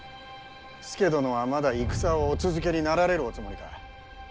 佐殿はまだ戦をお続けになられるおつもりか。